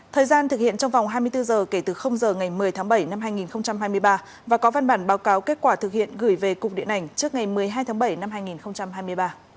thời gian thực hiện trong vòng hai mươi bốn giờ kể từ giờ ngày một mươi tháng bảy năm hai nghìn hai mươi ba và có văn bản báo cáo kết quả thực hiện gửi về cục điện ảnh trước ngày một mươi hai tháng bảy năm hai nghìn hai mươi ba